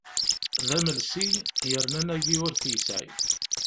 D amelsi yerna anagi ur t-yesɛi.